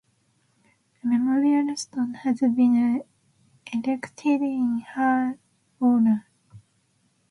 A memorial stone has been erected in her honour.